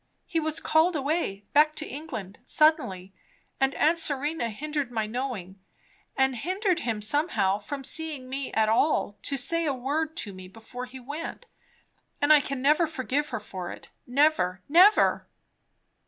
He was called away, back to England suddenly, and aunt Serena hindered my knowing, and hindered him somehow from seeing me at all to say a word to me before he went. And I never can forgive her for it, never, never!"